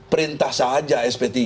perintah saja sp tiga